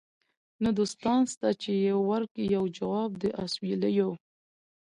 نه دوستان سته چي یې ورکړي یو جواب د اسوېلیو